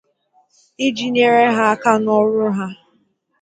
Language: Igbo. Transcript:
iji nyere ha aka n'ọrụ ha